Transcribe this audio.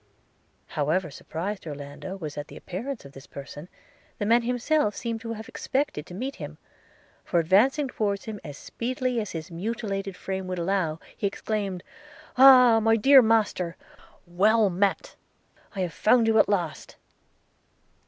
However surprised Orlando was at the appearance of this person, the man himself seemed to have expected to meet him; for, advancing towards him as speedily as his mutilated frame would allow, he exclaimed, 'Ah! my dear master! well met: I have found you at last.'